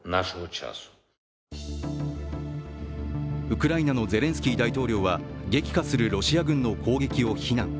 ウクライナのゼレンスキー大統領は激化するロシア軍の攻撃を非難。